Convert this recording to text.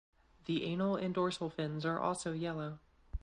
The anal and dorsal fins are also yellow.